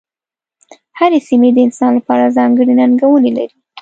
هرې سیمې د انسان لپاره ځانګړې ننګونې لرلې.